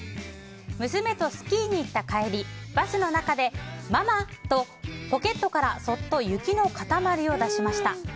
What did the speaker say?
娘とスキーに行った帰りバスの中で、ママ！とポケットからそっと雪の塊を出しました。